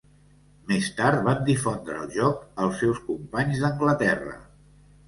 Més tard van difondre el joc als seus companys d'Anglaterra.